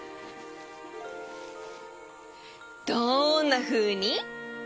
どんなふうに？